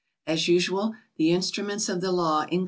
As usual, the instruments of the law in